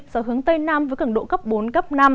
do hướng tây nam với cường độ cấp bốn cấp năm